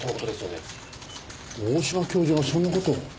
大島教授がそんな事を？